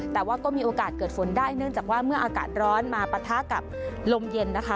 แต่ว่าก็มีโอกาสเกิดฝนได้เนื่องจากว่าเมื่ออากาศร้อนมาปะทะกับลมเย็นนะคะ